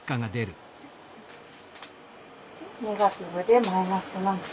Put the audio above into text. ネガティブでマイナスなので。